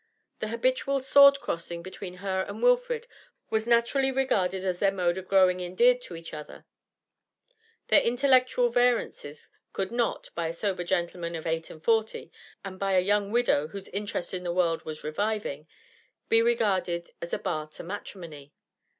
The habitual sword crossing between her and Wilfrid was naturally regarded as their mode of growing endeared to each other; their intellectual variances could not, by a sober gentleman of eight and forty and by a young widow whose interest in the world was reviving, be regarded as a bar to matrimony.